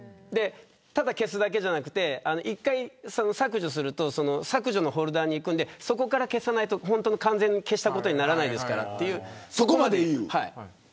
ただ消すだけじゃなくて一回削除すると削除のフォルダにいくんでそこから消さないと完全に消したことにならないですからってそこまで。